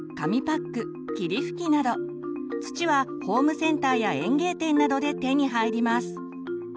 土はホームセンターや園芸店などで手に入ります。